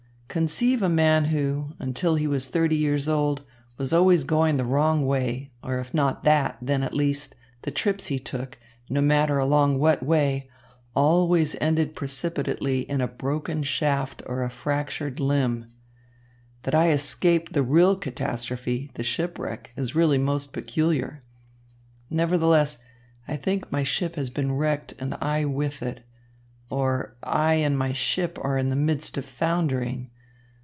Conceive a man who, until he was thirty years old, was always going the wrong way, or if not that, then, at least, the trips he took, no matter along what way, always ended precipitately in a broken shaft or a fractured limb. That I escaped the real catastrophe, the shipwreck, is really most peculiar. Nevertheless, I think my ship has been wrecked and I with it, or I and my ship are in the midst of foundering.